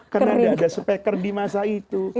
karena tidak ada speaker di masa itu